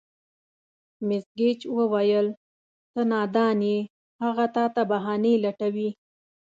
مېس ګېج وویل: ته نادان یې، هغه تا ته بهانې لټوي.